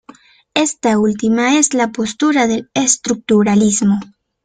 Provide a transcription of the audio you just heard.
Ésta última es la postura del estructuralismo.